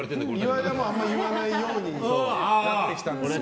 岩井はあんまり言わないようになってきたんですが。